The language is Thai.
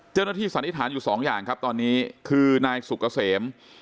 เจ้าหน้าที่สันนิษฐานอยู่๒อย่างครับตอนนี้คือนายสุกเกษม